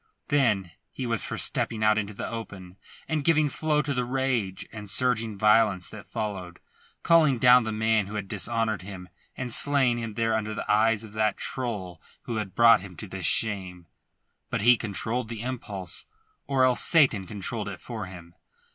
Then he was for stepping out into the open, and, giving flow to the rage and surging violence that followed, calling down the man who had dishonoured him and slaying him there under the eyes of that trull who had brought him to this shame. But he controlled the impulse, or else Satan controlled it for him.